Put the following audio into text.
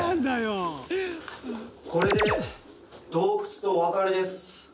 「これで洞窟とお別れです」